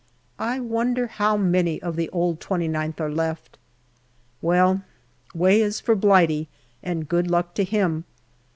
I wonder how many of the old 29th are left. Well, Way is for Blighty, and good luck to him.